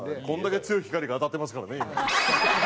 これだけ強い光が当たってますからね。